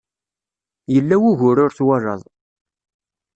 Yella wugur ur twalaḍ.